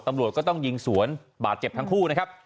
ตำรวจก็ต้องยิงสวนบาดเจ็บทั้งคู่นะครับ